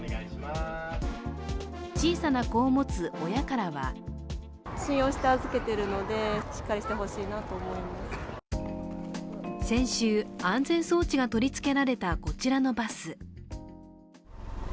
小さな子を持つ親からは先週、安全装置が取り付けられたこちらのバス。